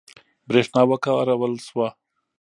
برېښنا وکارول شوه.